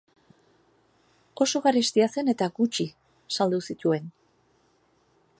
Oso garestia zen eta gutxi saldu zituen.